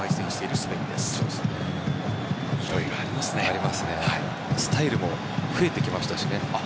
スタイルも増えてきましたしね。